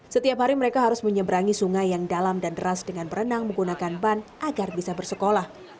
setiap hari mereka harus menyeberangi sungai yang dalam dan deras dengan berenang menggunakan ban agar bisa bersekolah